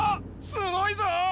すごいぞ！